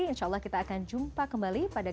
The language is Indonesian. insya allah kita akan jumpa kembali pada